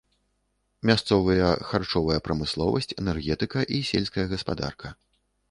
Мясцовыя харчовая прамысловасць, энергетыка і сельская гаспадарка.